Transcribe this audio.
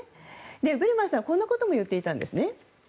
ブレマーさんはこんなことも言っていたんです。